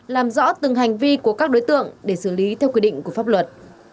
làm rõ từng hành vi của các đối tượng để xử lý theo quy định của pháp luật